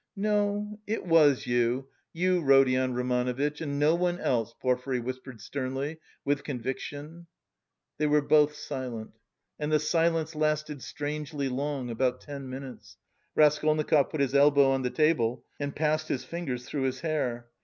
"No, it was you, you Rodion Romanovitch, and no one else," Porfiry whispered sternly, with conviction. They were both silent and the silence lasted strangely long, about ten minutes. Raskolnikov put his elbow on the table and passed his fingers through his hair.